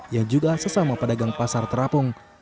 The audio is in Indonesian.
ia juga sesama pedagang pasar terapung